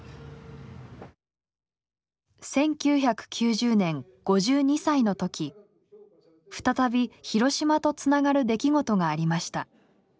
１９９０年５２歳のとき再び広島とつながる出来事がありました。